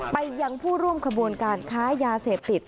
ไปยังผู้ร่วมขบวนการค้ายาเสพติด